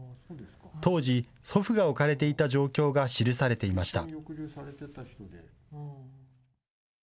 当時、祖父が置かれた状況が記されていました。